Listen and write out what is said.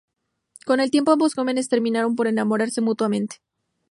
Con el tiempo ambos jóvenes terminaron por enamorarse mutuamente.